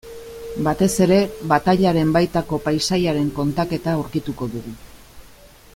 Batez ere batailaren baitako paisaiaren kontaketa aurkituko dugu.